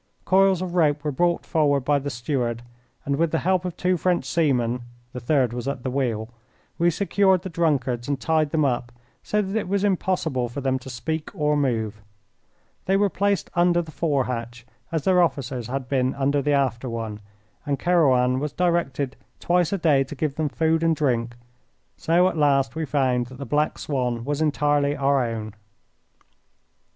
Coils of rope were brought forward by the steward, and with the help of two French seamen (the third was at the wheel) we secured the drunkards and tied them up, so that it was impossible for them to speak or move. They were placed under the fore hatch, as their officers had been under the after one, and Kerouan was directed twice a day to give them food and drink. So at last we found that the Black Swan was entirely our own.